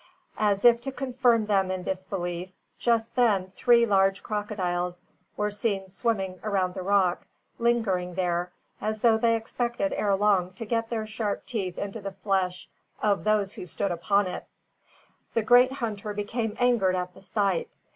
As if to confirm them in this belief, just then three large crocodiles were seen swimming around the rock, lingering there, as though they expected ere long to get their sharp teeth into the flesh of those who stood upon it. The great hunter became angered at the sight.